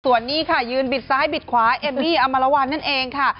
ส่วนนี้ค่ะยืนบิดซ้ายบิดขวาเอมมี่อมรวัลนั่นเองค่ะ